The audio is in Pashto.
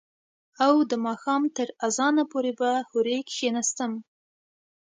او د ماښام تر اذانه پورې به هورې کښېناستم.